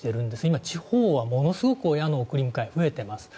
今、地方はものすごく親の送り迎えが増えています。